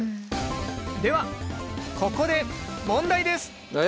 ではここで問題です。え？